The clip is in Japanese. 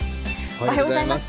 おはようございます。